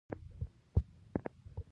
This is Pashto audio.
هغه ایټالوی و او ښه هنرمند و.